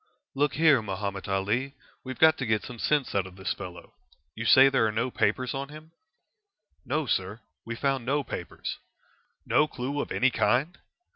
"Look here, Mahomet Ali, we've got to get some sense out of this fellow. You say there are no papers on him?" "No, sir; we found no papers." "No clue of any kind?"